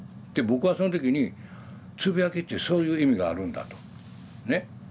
で僕はその時につぶやきってそういう意味があるんだと。ね？